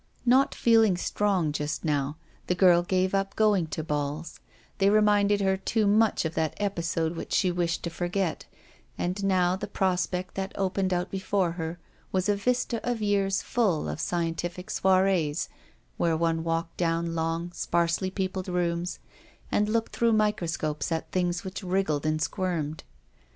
Not feeling strong just now, the girl gave up going to balls; they reminded her too much of that episode which she wished to forget; and now the prospect that opened out before her was a vista of years full of scientific soirees, where one walked down long sparsely peopled rooms and looked through microscopes at things which wriggled A YOima GIRL. 49 and squirmed.